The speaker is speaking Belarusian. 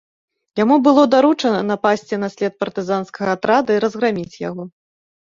Яму было даручана напасці на след партызанскага атрада і разграміць яго.